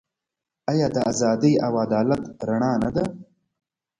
آیا د ازادۍ او عدالت رڼا نه ده؟